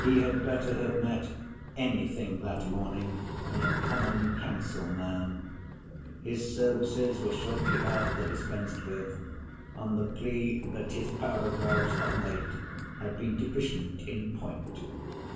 He had better have met any thing that morning than a Common Council Man. His services were shortly after dispensed with, on the plea that his paragraphs of late had been deficient in point.